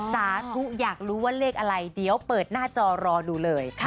สาธุอยากรู้ว่าเลขอะไรเดี๋ยวเปิดหน้าจอรอดูเลย